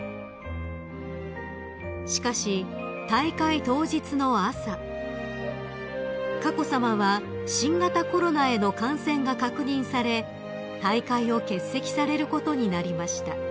［しかし大会当日の朝佳子さまは新型コロナへの感染が確認され大会を欠席されることになりました］